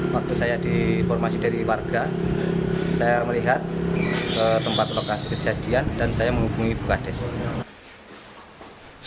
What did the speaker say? waktu saya diinformasi dari warga saya melihat tempat lokasi kejadian dan saya menghubungi buka desa